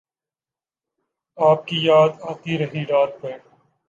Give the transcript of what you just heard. آپ کی یاد آتی رہی رات بھر